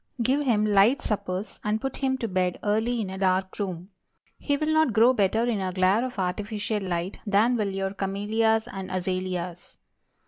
Give him light suppers, and put him to bed early in a dark room. He will not grow better in a glare of artificial light than will your camellias and azalias.